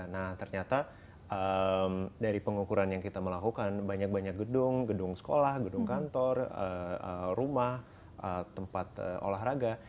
nah ternyata dari pengukuran yang kita melakukan banyak banyak gedung gedung sekolah gedung kantor rumah tempat olahraga